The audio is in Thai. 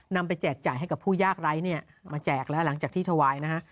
นำไปแจกให้กับผู้ยากไร้มาแจกแล้วหลังจากที่ถวายนะ